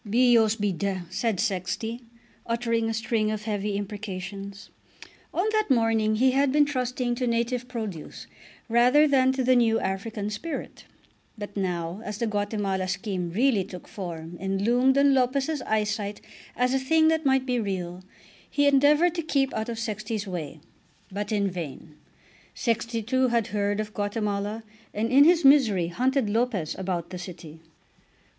"Bios be d ," said Sexty, uttering a string of heavy imprecations. On that morning he had been trusting to native produce rather than to the new African spirit. But now as the Guatemala scheme really took form and loomed on Lopez's eyesight as a thing that might be real, he endeavoured to keep out of Sexty's way. But in vain; Sexty too had heard of Guatemala, and in his misery hunted Lopez about the city.